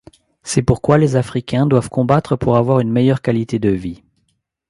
C’est pourquoi les Africains doivent combattre pour avoir une meilleure qualité de vie.